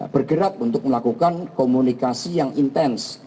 bergerak untuk melakukan komunikasi yang intens